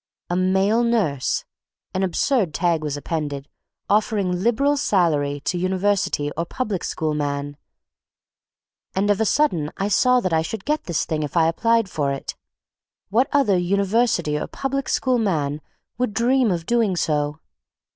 A male nurse! An absurd tag was appended, offering "liberal salary to University or public school man"; and of a sudden I saw that I should get this thing if I applied for it. What other "University or public school man" would dream of doing so?